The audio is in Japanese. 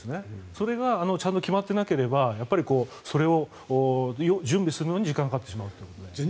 それがちゃんと決まっていなければそれを準備するのに時間がかかってしまうということですね。